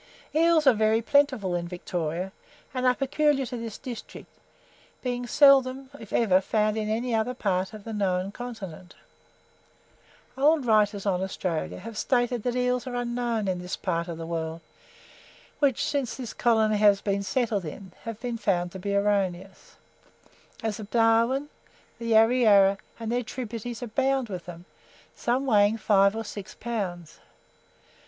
Eels are very plentiful in Victoria, and are peculiar to this district, being seldom, if ever, found in any other part of the known continent. Old writers on Australia have stated that eels are unknown in this part of the world, which, since this colony has been settled in, has been found to be erroneous, as the Barwin, the Yarra Yarra, and their tributaries abound with them, some weighing five or six pounds.